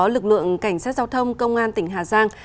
lực lượng cảnh sát giao thông công an tỉnh hà giang